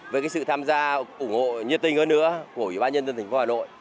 với sự tham gia ủng hộ nhiệt tình hơn nữa của ủy ban nhân dân thành phố hà nội